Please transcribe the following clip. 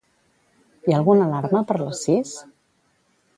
Hi ha alguna alarma per les sis?